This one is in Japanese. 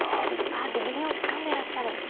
あで銀をつかんでらっしゃる。